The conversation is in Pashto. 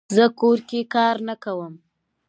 زه کور کې کار نه کووم